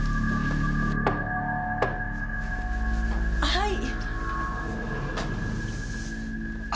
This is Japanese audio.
はい。